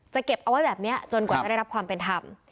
เก็บเอาไว้แบบนี้จนกว่าจะได้รับความเป็นธรรม